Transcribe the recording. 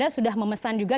mereka sudah memesan juga